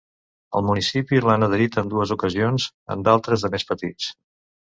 El municipi l'han adherit en dues ocasions en d'altres de més petits.